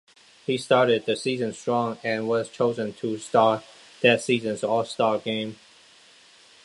He started the season strong, and was chosen to start that season's All-Star Game.